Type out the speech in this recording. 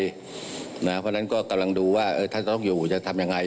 เพราะฉะนั้นก็กำลังดูว่าท่านจะต้องอยู่จะทำยังไง